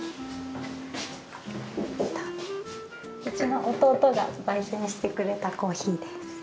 うちの弟が焙煎してくれたコーヒーです。